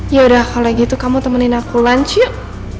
yaudah kalau gitu kamu temenin aku lunch yuk